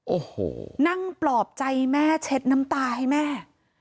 โอ้โหนั่งปลอบใจแม่เช็ดน้ำตาให้แม่